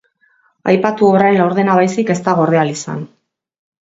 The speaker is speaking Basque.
Aipatu obraren laurdena baizik ez da gorde ahal izan.